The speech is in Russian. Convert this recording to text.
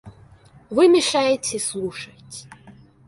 Вы мешаете слушать.